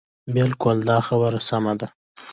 بلکل دا خبره سمه ده.